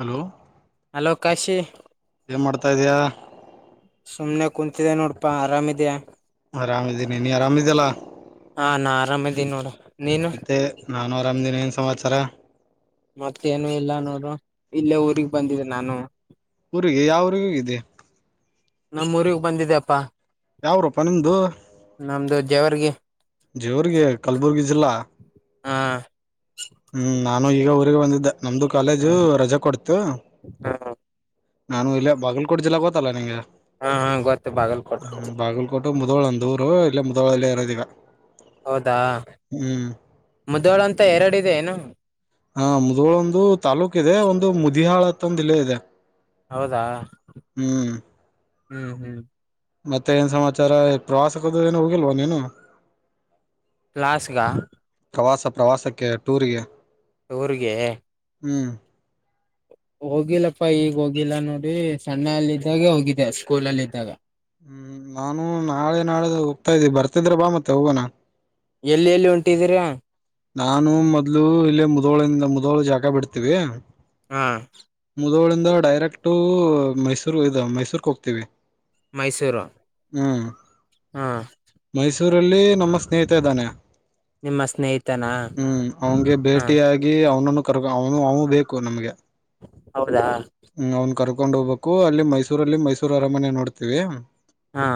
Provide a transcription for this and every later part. Hello hello Kashi ಏನ್ ಮಾಡ್ತಾ ಇದಯಾ ಸುಮ್ನೆ ಕುಂತ್ತಿದೆ ನೋಡಪ್ಪಾ ಆರಾಮಿದಿಯ ಆರಾಮಿದ್ದೀನಿ ನೀ ಆರಾಮಿದಲ್ಲಾ ಹಾ ನಾ ಆರಾಮ ಇದ್ದೀನಿ ನೋಡು ನೀನು ಮತ್ತೆ ನಾನು ಆರಾಮದಿನ ಏನ್ ಸಮಾಚಾರ ಮತ್ತೇನು ಇಲ್ಲ ನೋಡು ಇಲ್ಲೇ ಊರಿಗ್ ಬಂದಿದೆ ನಾನು ಊರಿಗೆ ಯಾವ ಊರಿಗೆ ಹೋಗಿದೆ ನಮ್ಮ್ೂರಿರಿಗೆ ಬಂದಿದೆಪ್ಪಾ ಯಾವ್ರೂಪಾ ನಿಮ್ದು ಜೇವರ್ಗಿ ಜವ್ರಿಗೆ ಕಲ್ಬುರ್ಗಿ ಜಿಲ್ಲಾ ಹಾ ಹ್ಮ್ ನಾನು ಈಗ ಊರಿಗೆ ಬಂದಿದ್ದೆ ನಮ್ದು ಹಾ ಕಾಲೇಜು ರಜ ಕೊಡ್ತು ಹಾ ನಾನು ಇಲ್ಲ ಬಾಗಲಲ್ಕೋಟ್ ಜಿಲ್ಲಾಗ ಗೋತ್ತಲ್ಲ ನಿಂಗೆ ಹಾ ಹಾ ಗತ್ತ ಬಾಗಲ್ಕೋಟ್ಟ ಮುಧೋಳಂದೂರು ಇಲ್ಲ ಮುಧೋಳಲ್ಲಿ ಇರೋದ ಈಗ ಹೌದಾ ಮುದೋಳಂತ ಎರಡಿದೆ ಏನು ಹಾ ಮುದ್ಳೊಂದು ತಾಲ್ಲೂಕ್ ಇದೆ ಒಂದು ಮುದಿಹಾಳ ಹತ್ತ ಒಂದ್ ಜಿಲ್ಲ ಇದೆ ಹೌದಾ ಹ್ಮ್ ಹ್ಮ್ ಹ್ಮ್ ಮತ್ತೆ ಏನ್ ಸಮಾಚಾರ ಪ್ರವಾಸದ ಏನು ಹೋಗಿಲ್ವಾ ನೀನು ಪ್ಾಾಸಗ ಪ್ರವಾಸ ಪ್ರವಾಸಕ್ಕೆ ಟೂರಿಗೆ ಇಊ್ರಗೆ ಹ್ಮ್ ಹೋಗಿಲ್ಲಪ್ಪ ಈಗ ಹೋಗಿಲ್ಲ ನೋಡ್ರಿ ಸಣ್ಣ ಅಲ್ಲ ಇದಿದ್ದಾಗ ಹೋಗಿದ್ದೆ ಸ್ಕೂಲ ಅಲ್ಲಿ ಇದಿದ್ದಾಗ ಹ್ಮ್ ನಾನು ನಾಳೆ ನಾಳೆ ಹೋಗ್ತಾ ಇದ್ದೀಿ ಬರ್ತಿದ್ರೆ ಬಾ ಮತ್ತೆ ಹೋಗೋಣ ಎಲ್ಲಿ ಎಲ್ಲಿ ಉಂಟಿದೀರಾ ನಾನು ಮೊದ್ಲು ಇಲ್ಲೇ ಮುದೋಳಿಂದ ಮುದೋಳ ಜಾಗ ಬಿಡ್ತೀವಿ ಹ್ಮ ಹದಳಿಂದ ಡೈರೆಕ್ಟ್ ಮೈಸೂರು ಇದ ಮೈಸೂರ್ಕ್ ಹೋಗ್ತೀವಿ ಮೈಸೂರು ಹ್ಮ್ ಹಾ ಮೈಸೂರಲ್ಲಿ ನಮ್ಮ ಸ್ನೇಹಿತ ಇದಾನೆ ನಿಮ್ಮ ಸ್ನೇಹಿತತಿ ಹ್ಮ್ ಅವನ್ಗೆ ಭೇಟಿಿಯಾಗಿ ಅವನನ್ನು ಕರ್ ಅವನು ಅವನು ಬೇಕು ನಮ್ಗೆ ಹೌದಾ ಕಕೊಂಡ್ ಹೋಗ್ಬೇಕು ಅಲ್ಲಿ ಮೈಸೂರಲ್ಲಿ ಮೈಸೂರು ಅರಮನೆ ನೋಡ್ತೀವಿ ಹಾ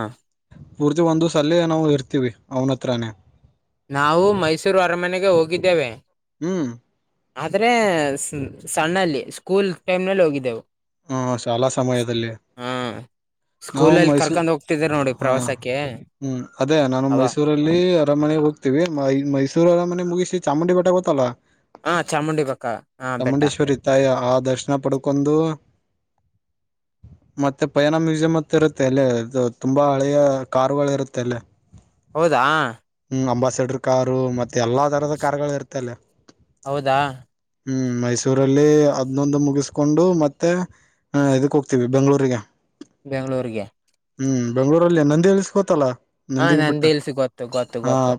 ಪೂರ್ತಿ ಒಂದು ಸಲ ನಾವು ಇರ್ತೀವಿ ಅವ್ನ ಹತ್ರಾನೇ ನಾವು ಮೈಸೂರು ಅರಮನೆಗೆ ಹೋಗಿದ್ದೇವೆ ಹ್ಮ್ ಆದ್ರೆ ಸಣ್ಣಲ್ಲಿ ಸ್ಕೂಲ್ ಟೈಮ್ ನಲ್ಲಿ ಹೋಗಿದ್ದೆವು ಹ್ಮ ಶಾಲಾ ಸಮಯದಲ್ಲಿ ಹಾ ನಾವು ಸ್ಕೂಲಲ್ಲಿ ಮೈಸೂ ಕರ್ಕೊಂಡ್ ಹೋಗ್ತಿದಾರ ನೋಡಿ ಹಾ ಪ್ರವಾಸಕ್ಕೆ ಹ್ಮ್ ಅದೇ ನಾನು ಅವ ಮೈಸೂರಲ್ಲಿ ಅರಮನೆಗೆ ಹೋಗ್ತ ಮ ಮೈಸೂರರ ಮೆ ಮುಗಿಸಿ ಚಾಮುಂಡಿ ಬೇಟ ಗೊತ್ತಲ್ಲ ಹಾ ಚಾಮುಂಡಿ ಬೆಕ್ಕ ಹಾ ಬೆಟ್ಟ ಚಾಮುಂಡೇಶ್ವರಿ ತಾಯ ಆ ದರ್ಶನ ಪಡ್ಕೊಂಡು ಮತ್ತೆ ಪಯಾನ ಮ್ಯೂಸಿಯಂ ಅತ್ತ ಇರುತ್ತೆ ಅಲ್ಲೇ ಇದು ತುಂಬಾ ಹಳೆಯ ಕಾರುಗಳು ಇರುತ್ತೆ ಅಲ್ಲೇ ಹೌದಾ ಅಂಬಾಸೆಡರ್ ಕಾರು ಮತ್ತೆ ಎಲ್ಲಾ ತರಹದ ಕಾರ್ಗಳು ಇರುತ್ತೆ ಅಲ್ಲಿ. ಹೌದಾ. ಹ್ಮ್ ಮೈಸೂರಲ್ಲಿ ಅದ್ನೊಂದು ಮುಗಿಸ್ಕೊಂಡು ಮತ್ತ. ಮತ್ತೆ ಹ ಇದಕ್ ಹೋಗ್ತೀವಿ ಬೆಂಗ್ಗಳೂರಿಗೆ. ಬೆಂಗ್ಗಳೂರ್ಗೆ. ಹ್ಮ್ ಬೆಂಗ್ಗಳೂರಲ್ಲಿ ನಂದಿ ಹೇಲ್ಸ್ ಗೊತ್ತಲ್ಲಾ. ಹಾ ನಂದಿ ಹಿಲ್ಸ್ ಗೊತ್ತು ಗೊತ್ತು ಗೊತ್ತು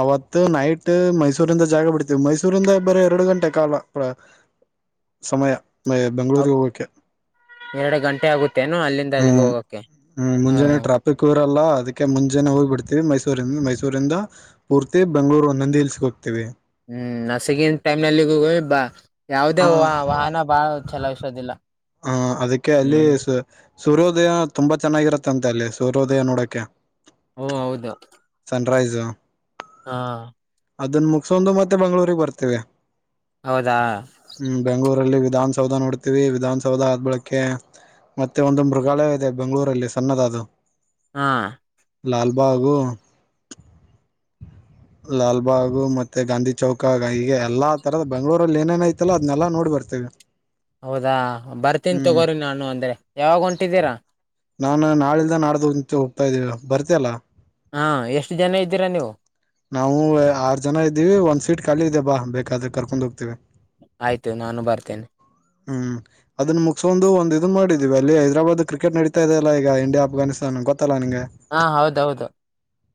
ಅವತ್ತು ನೈಟ್ ಮೈಸೂರಿಂದ ಜಾಗ ಬಿಡ್ತೀವಿ ಮೈಸೂರಿಂದ ಬರ ಎರಡು ಗಂಟೆ ಕಾಲ ಸಮಯ. ಹ ಬೆಂಗಳೂರಿಗೆ ಹೋಗಕ್ಕೆ ಎರಡು ಗಂಟೆ ಆಗುತ್ತೇನು ಅಲ್ಲಿಂದ ಅಲ್ಲಿಗೆ ಹ್ಮ್ ಹೋಗಕ್ಕೆ ಹ್ಮ್ ಹಾ. ಮುಂಜಾನೆ ಟ್ರಾಫಿಕ್ ಇರಲ್ಲ ಅದಕ್ಕೆ ಮುಂಜಾನ ಹೋಗ್ ಬಿಡ್ತೀವಿ ಮೈಸೂರಿಂದ ಮೈಸೂರಿಂದ ಪೂರ್ತಿ ಬೆಂಗಳೂರು ನಂದಿ ಇಲ್ಸ್ ಹೋಗ್ತೀವಿ. ಹ್ಮ್ ನಾಸಾಗಿ ಟೈಮ್ [unintelligible] ಯಾವುದೇ ವಾಹನ ಬಾಳ ಚೆಲು ಇತಿ ಹ ಅದಕ್ಕೆ ಅಲ್ಲಿ ಸೂರ್ಯೋದಯ ತುಂಬಾ ಚೆನ್ನಾಗಿರತ್ತೆ ಅಂತೆ ಅಲ್ಲಿ ಸೂರ್ಯೋದಯ ನೋಡಕೆ. ಓ ಹೌದು. ಡ್ರೈಸು. ಹಾ. ಅದನ್ನ ಮುಗಸೊಂಡು ಮತ್ತೆ ಬೆಂಗಗಳೂರಿಗೆ ಬರ್ತೀವಿ. ಹೌದಾ ಹ್ಮ್ ಬೆಂಗಳೂರಲ್ಲಿ. ದನ್ ಸೌದ ನೋಡಿತ್. ವಿಧಾನಸೌಧದ ಹದಬಳಕೆ ಮತ್ತೆ ಒಂದು ಮೃಗಾಲಯ ಇದೆ ಬೆಂಗ್ಳೂರಲ್ಲಿ ಸಣ್ಣದ ಅದು. ಹಾ ಲಾಲ್ಬಾಗು ಲಾಲ್ಬಾಗು ಮತ್ತೆ ಗಾಂಧಿ ಚೌಕ ಹೀಗೆ ಎಲ್ಲಾ ತರದ ಬೆಂಗ್ಗಳೂರಲ್ಲಿ ಏನೇನ ಐತಲ್ಲ ಅದ್ನೆಲ್ಲಾ ನೋಡಿ ಬರ್ತೇವಿ. ಹೌದಾ ಬರ್ತೀನಿ ಹ್ಮ್ ತಗೋರಿ ನಾನು ಅಂದ್ರೆ. ಯಾವಾಗ ಹೊಂಟಿದ್ದೀರಾ. ನಾನ್ ನಾಳಲ್ದ ನಡ್ದು ಹೋಗ್ತಾಯಿದೀವಿ ಬರ್ತಿಯಲ್ಲ. ಹಾ ಎಷ್ಟು ಜನ ಇದ್ದೀರಾ ನೀವು ನಾವು ಆರ್ ಜನ ಇದ್ದೀವಿ ಒಂದ್ ಸೀಟ್ ಖಾಲಿ ಇದ ಬಾ ಬೇಕ್. ಯಾದ್ರೆ ಕರ್ಕೊಂಡು ಹೋಗ್ತಿವಿ. ಆಯ್ತು ನಾನು ಬರ್ತೇನೆ. ಹ್ಮ್ ಅದನ್ನ ಮುಗಸ್ಕೊಂದು ಒಂದ ಇದನ್ ಮಾಡಿದೀವಿ ಅಲ್ಲಿ ಹೈದರಾಬಾದ್ ಕ್ರಿಕೆಟ್ ನಡೀ ಗೊತ್ತಾಯಿತಲ ಈಗ ಇಂಡಿಯಾ ಆಫಾನಿಸ್ತನ್ ಗೊತ್. ಹಾ ಹೌದೌದು.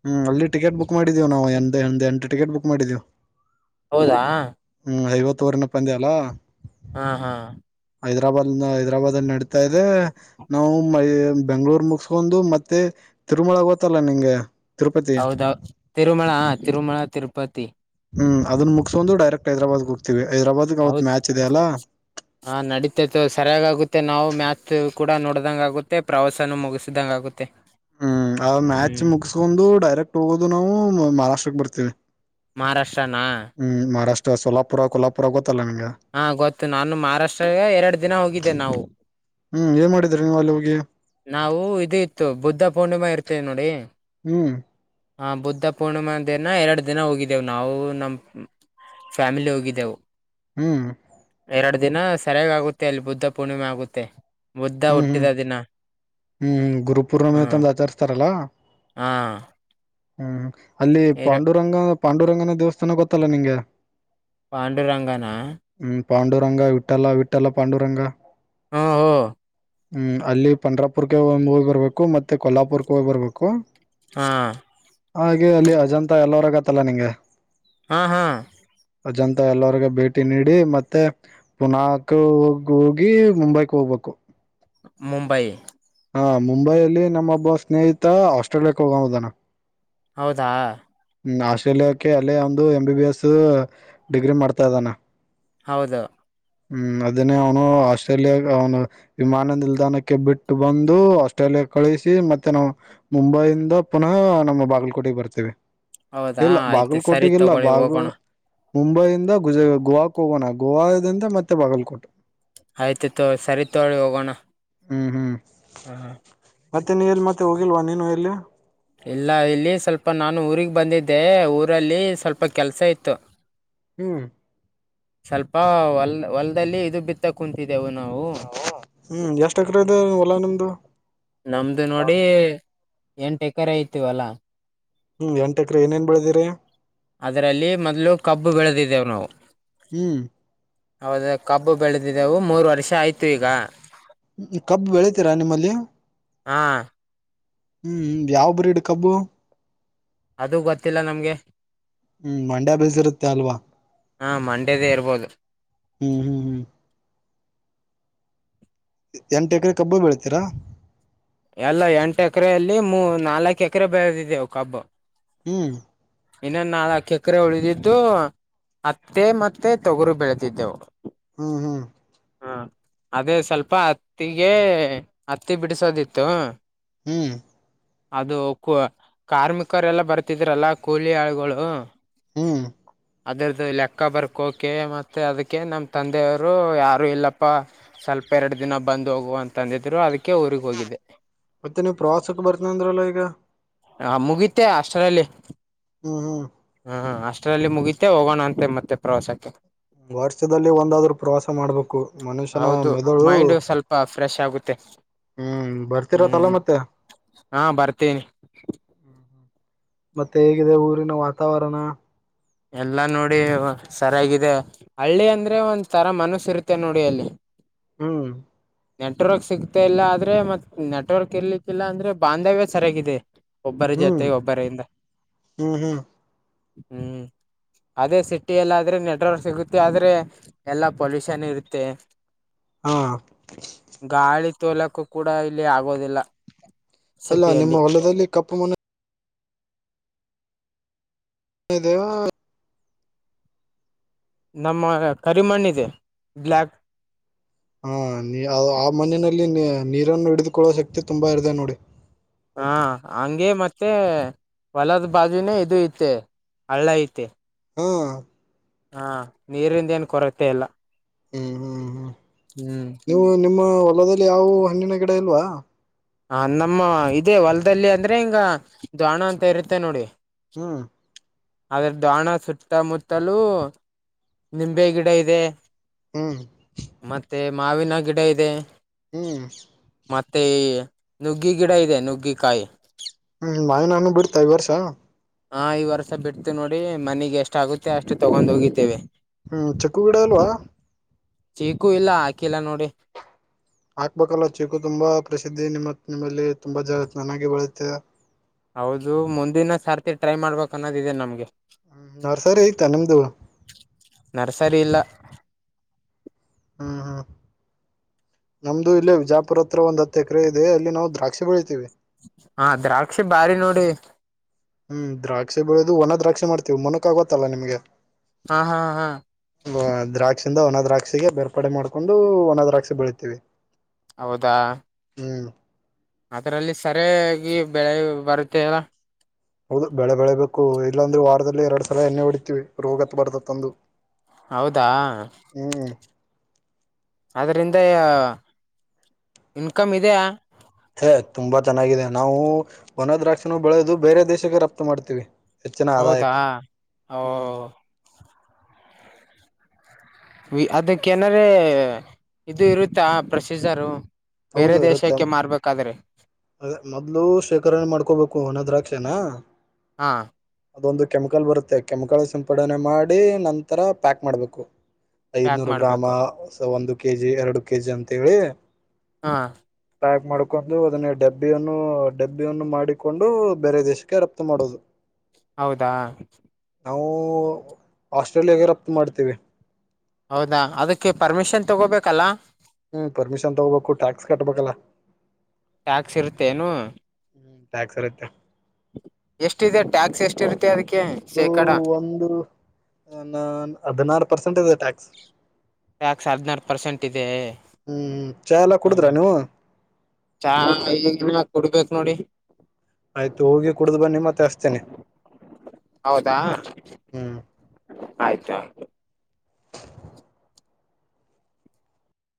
ಹ್ಮ್ ಅಲ್ಲಿ ಟಿಕೆಟ್ ಬುಕ್. ಬು ಮಾಡಿದ್ದೀವು ನಾವು [unintelligible] ಎಂಟ್ ಟಿಕೆಟ್ ಬುಕ್. ಮಡಿದೇವ್ ಹಾ ಐವತ್ತೂರನೇ ಪಂದ್ಯ ಅಲ್ಲಾ ಹಾ ಹಾ ಹೈದರಾಬಾದ್ನ [unintelligible] [unintelligible] ನಡತಾ ಇದೆ ನಾವು ಬೆಂಗಳೂರ್ ಮುಗಸ್ಕೊಂಡು ಮತ್ತೆ ತಿರುಮಳ ಗೊತ್ತಲ್ಲ ನಿಂಗೆ. ತಿರುಪತಿ ಹೌದ ತಿರುಮಳ ತಿರುಮಳ ತಿರುಪತಿ ಹ್ಮ್ ಅದನ್ ಮುಗಸ್ೊಂಡಂದು ಡೈಕ್ಟ್ ಹೈದಾಬಾದ್ಗೆೋಗ್ತತಿವಿ ಹೌದ ಹ ನಡತೈತ್ತು ಸರಿಯಾಗಿ ಆಗುತ್ತೆ ನಾವು ಮ್ಯಾಥ ಕೂಡ ನೋಡ್ದಂಗ ಆಗುತ್ತೆ ಪ್ರವಾಸನ ಮುಗಿಸಿದಂಗ ಆಗುತ್ತೆ ಹ್ಮ್ ಆ ಮ್ಯಾಚ್ ಹ್ಮ್ ಮುಗಸ್ಕೊಂಡು ಡೈರೆಕ್ಟ್ ಹೋಗೋದು ನಾವು ಮಹಾರಾಷ್ಟ್ರಗ್ ಬರ್ತೇವಿ ಮಹಾರಾಷ್ಟ್ರನಾ ಹ್ಮ್ ಮಹಾರಾಷ್ಟ್ರ ಸೋಲಾಪು ಕೋಲಪುರಗದ ಹಾ ಗೊತ್ತು ನಾನು ಮಹಾರಾಷ್ಟ್ರ ಎರಡ್ ದಿನ ಹೋಗಿದ್ದೆನೆ ನಾವು ಹ್ಮ್ ಏನ್ ಮಾಡಿದ್ರಿ ನೀವು ಅಲ್ಲಿ ಹೋಗಿ ನಾವು ಇದ ಇತ್ತು ಬುದ್ಧ ಪೂರ್ಣಿಮಾ ಇರ್ತೇವಿ ನೋಡಿ ಹ್ಮ್ ಹಾ ಬುದ್ಧ ಪೂರ್ಣಿಮಾ ಅಂದೇನ ಎರಡು ದಿನ ಹೋಗಿದ್ದೇವು ನಾವು ನಮ್ ಫ್ಯಾಮಿಲಿ ಹೋಗಿದ್ದೆವು ಹ್ಮ್ ಎರಡು ದಿನ ಸರಿಯಾಗ ಆಗುತ್ತೆ ಅಲ್ಲಿ ಬುದ್ಧ ಪೂರ್ಣಿಮೆ ಆಗುತ್ತೆ ಮುದ್ದ ಹುಟ್ಟಿದ ದಿನ ಹ್ಮ್್ಮ ಗುರುಪೂರ್ಣಮ ಹಾ ತ ದಚರಿಸತಾರಲಾ ಹಾ ಹ್ಮ್ ಅಲ್ಲಿ ಎರ ಪಾಂಡುರಂಗ ಪಾಂಡುರಂಗನ ದೇವಸ್ಥಾನ ಗೊತ್ತಲ್ಲ ನಿಂಗೆ ಪಾಂಡುರಂಗನಾ ಹ್ಮ್ ಪಾಂಡುರಂಗ ವಿಠಲ್ಲ ವಿಠ್ಠಲ್ಲ ಪಾಂಡುರಂಗ ಹಾ ಹ ಹ್ಮ್ ಅಲ್ಲಿ ಪನ್್ರ ಪುರ್ ಹೋಗ್ ಬರ್ಬೇಕು ಮತ್ತೆ ಕೊಲ್ಲಾಪುರ್ಕ್ಕೆ ಹೋಗ್ ಬರ್ಬೇಕು ಹಾ ಹಾಗೆ ಅಲ್ಲಿ ಅಜಂತಾ ಎಲ್ಲರಗ ಪತ್ತಲ ನಿಗೆ ಹಾ ಹಾ ಅಜಂತ ಎಲ್ಲರ್ಗ ಭೇಟಿ ನೀಡಿ ಮತ್ತೆ ಪುನಕ ಹ ಹೋಗಿ ಮುಂಬೈಕ್ ಹೋಗ್ಬೇಕು ಮುಂಬಂಬೈ ಹಾ ಮುಂಬೈಯಲ್ಲಿ ನಮ್ಮೊಬ್ಬ ಸ್ನೇಹಿತ ಆಸ್ಟ್ರೇಲಿಯಾಕ್ ಹೋಗ ಹುದನ ಹೌದಾ ಆಸ್ಟ್ರೇಲಿಯಾಕ್ಕೆ ಅಲ್ಲೇ ಒಂದು ಎಂ ಬಿ ಎಸ್ ಡಿಗ್ರಿ ಮಾಡ್ತಾ ಇದ್ದಾನ ಹೌದು ಹ್ಮ್ ಅದನ್ನೇ ಅವನು ಆಸ್ಟ್ರೇಲಿಯಾ ಅವನು ವಿಮಾನ ನಿಲ್ದಾಣಕ್ಕೆ ಬಿಟ್ಟು ಬಂದು ಆಸ್ಟ್ರೇಲಿಯಾ ಕಳಿಸಿ ಮತ್ತೆ ನಾವು ಮುಂಬೈಿಂದ ಪುನಃ ನಮ್ಮ ಬಾಗಲಕೋಟೆಗೆ ಬರ್ತೇವಿ ಹೌದಾ ಆಯ್ತು ಸರಿ ತಗೊಳಿ ಬಾಗಲ್ ಹೋಗೋಣ ಮುಂಬೈಯಿಂದ ಗುಜ ಗೋವಾಕ್ ಹೋಗೋಣ ಗೋವಾದಿಂದ ಮತ್ತೆ ಬಾಗಲ್ಕೋಟ್ ಆಯ್ತು ತೋ ಸರಿ ತೋಳಿ ಹೋಗೋಣ ಹ್ಮ್ ಹ್ಮ್ ಹ್ಮ ಹ ಮತ್ತೆ ನೀ ಎಲ್ಲಿ ಮತ್ತೆ ಹೋಗಿಲ್ವಾ ನೀನು ಎಲ್ಲಿ ಇಲ್ಲ ಇಲ್ಲಿ ಸ್ವಲ್ಪ ನಾನು ಊರಿಗೆ ಬಂದಿದ್ದೆ ಊರಲ್ಲಿ ಸ್ವಲ್ಪ ಕೆಲ್ಸ ಇತ್ತು ಹ್ಮ ಸ್ವಲ್ಪ ಹೊಲ್ ಹೊಲ್ದಲ್ಲಿ ಇದು ಬಿತ್ತ ಕುಂತ ವು ನಾವು ಹ್ಮ್ ಎಷ್ಟ್ ಎಕರೆ ಇದೆ ಹೊಲ ನಿಮ್ದು ನಮ್ದು ನೋಡಿ ಎಂಟ ಎಕರೆ ಆಯತ ಅಲಾ ಹ್ಮ ಎಂಟಕ್ರ ಏನ್ ಬೆಳದಿರಿ ಅದರಲ್ಲಿ ಮೊದ್ಲು ಕಬ್ಬು ಬೆಳೆದಿದ್ದೇವು ನಾವು ಹ್ಮ್ ಹೌದ ಕಬ್ಬು ಬೆಳೆದಿದೆವು ಮೂರು ವರ್ಷ ಆಯ್ತು ಈಗ ಕಬ್ ಬೆಳತೀರಾ ನಿಮ್ಮಲ್ಲಿಯ ಹಾ ಹ್ಮ ಯಾವ ಬ್ರೀಡ್ ಕಬ್ಬು ಅದು ಗೊತ್ತಿಲ್ಲ ನಮ್ಗೆ ಹ್ಮ ಮಂಡ್ಯ ಬೇಸಿರುತ್ತೆ ಅಲ್ವಾ ಹಾ ಮಂಡ್ಯದೇ ಇರ್ಬೋದು ಹ್ಮಹ್ಮ ಹ್ಮ ಎ ಎಂಟು ಎಕರೆ ಕಬ್ಬು ಬೀಳಿತೀರಾ ಎಲ್ಲ ಎಂಟು ಎಕ್ರೆಯಲ್ಲಿ ಮೂ ನಾಲಕ್ ಎಕ್ರೆ ಬೆಳದಿದೆವು ಕಬ್ಬು ಹ್ಮ್ ಇನ್ನೊಂದ್ ನಾಲಕ್ ಎಕ್ರೆ ಉಳಿದಿದ್ದು ಹತ್ತಿ ಮತ್ತೆ ತೊಗರು ಬೆಳೆತಿದ್ದೆವು ಹ್ಮ ಹ್ಮ ಹಾ ಅದೇ ಸ್ವಲ್ಪ ಹತ್ತಿಗೆ ಹತ್ತಿ ಬಿಡಿಸೋದಿತ್ತು ಹ್ಮ ಅದೂ ಕು ಕಾರ್ಮಿಕರೆಲ್ಲ ಬರ್ತಿದ್ರಲ್ಲ ಕೂಲಿ ಆಳ್ಗಳು ಹ್ಮ ಅದರ್ದು ಲೆಕ್ಕ ಬರ್ಕೋಕೆ ಮತ್ತೆ ಅದುಕ್ಕೆ ನಮ್ ತಂದೆಯವರು ಯಾರು ಇಲ್ಲಪ್ಪ ಸ್ವಲ್ಪ ಎರಡು ದಿನ ಬಂದು ಹೋಗುವ ಅಂತಂದಿದ್ರು ಅದಿಕ್ ಮತ್ತೆ ನೀವ್ ಪ್ರವಾಸಕ್ ಬರ್ತೀನ್ ಅಂದ್ರಲ್ಲ ಈಗ ಹಾ ಮುಗೀತು ಅಷ್ಟರಲ್ಲಿ ಹ್ಮ ಹ್ಮ ಹಾ ಅಷ್ಟರಲ್ಲಿ ಮುಗೀತು ಹೋಗೋಣ ಅಂತೆ ಮತ್ತೆ ಪ್ರವಾಸಕ್ಕೆ ವರ್ಷದಲ್ಲಿ ಒಂದಾದ್ರು ಪ್ರವಾಸ ಮಾಡ್ಬೇಕು ಮನುಷ್ಯನ ಹೌದು ಮೆದುಳು ಮೈಂಡು ಸ್ವಲ್ಪ ಫ್ರೆಶ್ ಆಗುತ್ತೆ ಹ್ಮ ಬರ್ತಿರತ್ತಲ್ಲ ಹ್ಮ್ ಮತ್ತೆ ಹಾ ಬರ್ತೀನಿ ಮತ್ತೆ ಹೇಗಿದೆ ಊರಿನ ವಾತಾವರಣ ಎಲ್ಲಾ ನೋಡಿ ಸರಿಯಾಗಿದೆ ಹಳ್ಳಿ ಅಂದ್ರೆ ಒಂದ್ ತರ ಮನಸ್ ಇರುತ್ತೆ ನೋಡಿ ಅಲ್ಲಿ ಹ್ಮ್ ನೆಟ್ವರ್ಕ್ ಸಿಗ್ತಾ ಇಲ್ಲ ಆದ್ರೆ ಮತ್ ನೆಟ್ವರ್ಕ್ ಇರ್ಲಿಕ್ಕಿಲ್ಲ ಅಂದ್ರೆ ಬಾಂಧವ್ಯ ಸರಿಯಾಗಿದೆ ಒಬ್ಬರಿ ಹ್ಮ್ ಜತೆ ಒಬ್ಬರಿಂದ ಹ್ಮ್ ಹ್ಮ್ ಹ್ಮ ಅದೇ ಸಿಟಿಯಲ್ಲಾದ್ರೆ ನೆಟ್ವರ್ಕ್ ಸಿಗುತ್ತೆ ಆದ್ರೆ ಎಲ್ಲಾ ಪೊಲ್ಯೂಷನ್ ಇರುತ್ತೆ ಹಾ ಗಾಳಿ ತೋಲಕ್ಕೂ ಕೂಡ ಇಲ್ಲಿ ಆಗೋದಿಲ್ಲ ಅಲ್ಲಾ ನಿಮ್ಮ ಸಿಟಿಯಲ್ಲಿ ಹೊಲದಲ್ಲಿ ಕಪ್ಪು ಮನೆ ಅದೂ ನಮ್ಮ ಕರಿಮಣ್ಣಿದು ಬ್ಲಾಕ್ ಹಾ ನೀ ಆ ಆ ಮನೆನಲ್ಲಿ ಮೇ ನೀರನ್ ಹಿಡಿದುಕೊಳ್ಳುವ ಶಕ್ತಿ ತುಂಬಾ ಇರ್ದೆ ನೋಡು ಹಾ ಹಂಗೆ ಮತ್ತೆ ಹೊಲದ್ ಬಾಜಿನೇ ಇದು ಇತ್ತು ಹಳ್ಳ ಐತೆ ಹೂ ಹಾ ನೀರಿಂದ ಏನ್ ಕೊರತೆ ಇಲ್ಲ ಹ್ಮ್ ಹ್ಮ್ ಹ್ಮ್ ಹ್ಮ್ ನೀವು ನಿಮ್ಮ [unintelligible] ಹೊಲದಲ್ಲಿ ಯಾವುವು ಹಣ್ಣಿನ ಗಿಡ ಇಲ್ವಾ ಹಾ ನಮ್ಮ ಇದೇ ಹೊಲ್ದಲ್ಲಿ ಅಂದ್ರೆ ಹಿಂಗ [unintelligible] ಅಂತ ಇರುತ್ತೆ ನೋಡಿ ಹ್ಮ್ ಅದುಕ್ ದಾಣ ಸುತ್ತಮುತ್ತಲೂ ನಿಂಬೆ ಗಿಡ ಇದೆ ಹ್ಮ್ ಮತ್ತೆ ಮಾವಿನ ಗಿಡ ಇದೆಯೇ ಚೀವ್ ಚೀವ್ ಮತ್ತೆ ನುಗ್ಗಿ ಗಿಡ ಇದೆ ನುಗ್ಗಿ ಕಾಯಿ ಹ್ಮ್ ಮಾವಿಹಣ್ಣು ಬಿಡ್ತ ಇ ವರ್ಷ ಹಾ ಈ ವರ್ಷ ಬಿಡ್ತೀ ನೋಡಿ ಮನಿಗೆ ಎಷ್ಟ ಆಗುತ್ತೆ ಅಷ್ಟು ತಗೊಂಡು ಹೋಗಿತೇವೆ ಹ್ಮ್ ಚಿಕ್ಕು ಗಿಡ ಅಲ್ವಾ ಚೀಕೂ ಇಲ್ಲ ಹಾಕಿಲ್ಲಾ ನೋಡಿ ಹಾಕ್ಬೇಕಲ್ಲ ಚೀಕು ತುಂಬಾ ಪ್ರಸಿದ್ಧಿ ನಿಮ್ಮ ನಿಮ್ಮಲ್ಲಿ ತುಂಬಾ ಚನ್ನಾಗಿ ಬೆಳತ್ತೆ ಹೌದು ಮುಂದಿನ ಸಾರ್ತಿ ಟ್ರೈ ಮಾಡ್ಬೇಕ ಅನ್ನೋದು ಇದೆ ನಮ್ಮ ಗೆ ಹ್ಮ ನರ್ಸರಿ ಐತಾ ನಿಮ್ದು ನರ್ಸರಿ ಇಲ್ಲ ಹ್ಮ್ ಹ್ಮ್ ನಮ್ಮದು ಇಲ್ಲೆ ವಿಜಾಪುರ ಹತ್ರ ಒಂದ್ ಹತ್ತು ಎಕರೆ ಇದೆ ಅಲ್ಲಿ ನಾವು ದ್ರಾಕ್ಷಿ ಬೆಳಿತೀವಿ ಹಾ ದ್ರಾಕ್ಷಿ ಬಾಳೀ ನೋಡಿ ಹ್ಮ್ ದ್ರಾಕ್ಷಿ ಬೆಳ್ಳಿದು ಒಣ ದ್ರಾಕ್ಷಿ ಮಾಡ್ತೀವಿ ಮುನಕ್ ಆ ಗೋತ್ತಲ್ಲಾ ನಿಮ್ಗೆ ಹಾಆ ಹಾಆ ಹಾಆ ದ್ರಾಕ್ಷಿಯಿಂದ ಒನ ದ್ರಾಕ್ಷಿಗೆ ಬೇರ್ಪಡೆ ಮಾಡ್ಕೊಂಡು ಒನ ದ್ರಾಕ್ಷಿ ಬೆಳಿತೇವಿ ಹೌದಾಆ ಹ್ಮು ಅದರಲ್ಲಿ ಸರಿಯಾಗಿ... ಬೆಳೆ ಬರತೆವಾ ಹೌದು ಬೆಳೆ ಬೆಳೆಬೇಕು ಇಲ್ಲಾಂದ್ರೆ ವಾರದಲ್ಲಿ ಎರಡ್ ಸರಿ ಎಣ್ಣೆ ಹೊಡಿತೇವಿ ರೋಗ ಹಬಾರ್ದದು ಹೌದಾಆ,,, ಅದರಿಂದ ಇನ್ಕಮ್ ಇದೆಯಾ ಹೇ ತುಂಬಾ ಚೆನ್ನಾಗಿದೆ ನಾವು ಒನ ದ್ರಾಕ್ಷನು ಬೆಳೆದು ಬೇರೆ ದೇಶಕ್ಕೆ ರಫ್ತು ಮಾಡ್ತೀವಿ ಹೆಚ್ಚಿನ ಹೌದಾ ಆದಾಯಕ್ಕೆ ಹ್ಮ್ ಓಹೋ ಅದಕ ಎನರೆ ಇದು ಇರುತ್ತಾ ಪ್ರೊಸೀಜರು ಬೇರೆ ಹೌದು ಇರುತ್ತೆ, ದೇಶಕ್ಕೆ ಮಾರ್ಬೇಕಾದ್ರೆ ಮೊದ್ಲು ಶೇಖರಣೆ ಮಾಡ್ಕೋಬೇಕು ಒನ ದ್ರಾಕ್ಷನ ಹಾ ಹಾಆ ಒಂದು ಕೆಮಿಕಲ್ ಬರುತ್ತೆ, ಕೆಮಿಕಲ್ ಸಿಂಪಡಣೆ ಮಾಡಿ ನಂತರ ಪ್ಯಾಕ್ ಮಾಡಬೇಕು ಪ್ಯಾಕ್ ಐದ್ನೂರು ಗ್ರಾಮ, ಮಾಡ್ಬೇಕು ಒಂದು ಕೆಜಿ, ಎರಡ ಕೆ ಜಿ ಅಂತ ಹೇಳಿ ಹಾಆ ಪ್ಯಾಕ್ ಮಾಡ್ಕೊಂಡು ಅದನ್ನು ಡಬ್ಬಿಯನ್ನು ಡಬ್ಬಿಯನ್ನು ಮಾಡಿಕೊಂಡು ಬೇರೆ ದೇಶಕ್ಕೆ ರಫ್ತು ಮಾಡೋದು ಹೌದಾಆ ನಾವು ಹಾಸ್ಟೆಲ್ ನಲೆ ರಫ್ತು ಮಾಡ್ತೀವಿ ಹೊ ಅದಕ್ಕೆ ಪರ್ಮಿಷನ್ ತಗೋಬೇಕಲ್ಲಾ ಹ್ಮ್ ಪರ್ಮಿಷನ್ ತಗೋಬೇಕು ಟ್ಯಾಕ್ಸ್ ಕಟ್ಟಬೇಕಾಲ ಟ್ಯಾಕ್ಸ್ ಇರುತ್ತೆ ಏನೂ ಟ್ಯಾಕ್ಸ್ ಇರುತ್ತೆ ಎಷ್ಟಿದೆ ಟ್ಯಾಕ್ಸ್ ಎಷ್ಟುರುತ್ತೆ ಅದಕ್ಕೆ ಅದು,,, ಶೇಕಡ ಒಂದು, ಹದಿನಾರು ಪರ್ಸೆಂಟ್ ಇರುತ್ತೆ ಚೂ ಟ್ಯಾಕ್ಸ್ ಹದಿನಾರು ಪರ್ಸೆಂಟ್ ಇದೆ ಹ್ಮ್ ಚಾ ಎಲ್ಲ [unintelligible] ಹ್ಮ ಕುಡುದ್ರ ನೀವು ಚಾ ಕೊಡ್ಬೇಕು [inaudible] ನೋಡಿ [unintelligible] ಆಯ್ತು ಹೋಗಿ ಕುಡ್ದ್ ಬನ್ನಿ ಮತ್ತೆ ಅಸ್ತೇನೆ ಹ್ಮ್ ಆಯ್ತು [unintelligible]